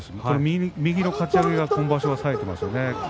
右のかち上げが今場所はさえてますね。